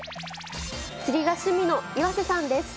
釣りが趣味の岩瀬さんです。